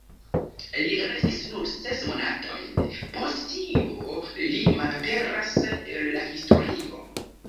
Li restis nur ses monatojn; post tio li malaperas el la historio.